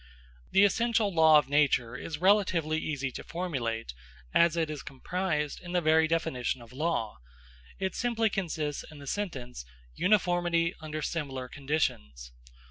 The essential law of nature is relatively easy to formulate, as it is comprised in the very definition of law. It simply consists in the sentence: uniformity under similar conditions.